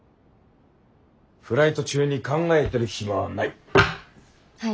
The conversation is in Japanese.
フライト中に考えてる暇はない。